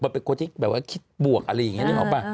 มันเป็นคนที่คิดบวกอะไรอย่างงี้เนี่ยเหาะปะ